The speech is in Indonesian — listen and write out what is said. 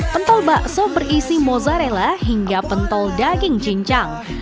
pentol bakso berisi mozzarella hingga pentol daging cincang